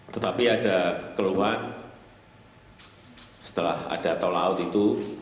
tetapi ada keluhan setelah ada tol laut itu